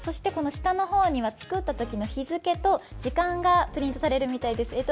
下の方には作ったときの日付と時間がプリントされるみたいです。